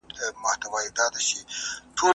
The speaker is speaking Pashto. رمې به پنډي وي او ږغ به د شپېلیو راځي